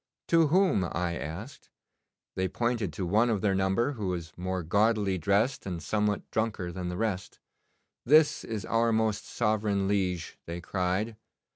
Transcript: "To whom?" I asked. They pointed to one of their number who was more gaudily dressed and somewhat drunker than the rest. "This is our most sovereign liege," they cried.